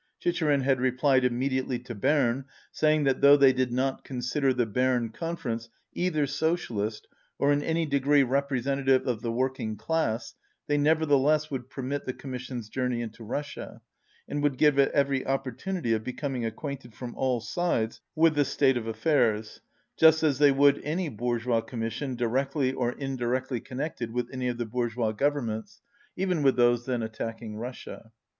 Chicherin had replied immediately to Berne, saying that "though they did not consider the Berne Conference either so cialist or in any degree representative of the work ing class they nevertheless would permit the Com mission's journey into Russia, and would give it every opportunity of becoming acquainted from all sides with the state of affairs, just as they would any bourgeois commission directly or in directly connected with any of the bourgeois goY 156 ernments, even with those then attacking Russia."